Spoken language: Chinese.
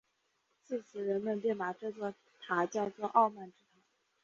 自此人们便把这座塔叫作傲慢之塔。